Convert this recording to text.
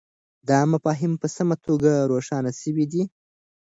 دا مفاهیم په سمه توګه روښانه سوي دي.